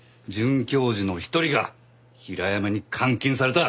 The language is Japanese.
准教授の一人が平山に監禁された。